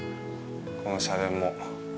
この社殿も。